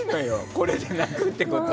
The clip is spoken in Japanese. これで泣くってことは。